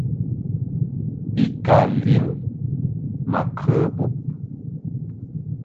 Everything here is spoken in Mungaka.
I ka lin ma kə bub.